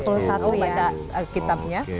oh baca kitabnya